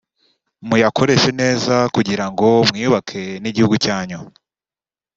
muyakoreshe neza kugira ngo mwiyubake n’igihugu cyanyu